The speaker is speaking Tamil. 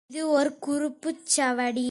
இது ஒர் குறிப்புச் சவடி.